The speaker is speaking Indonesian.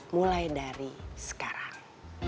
mulai dari sekarang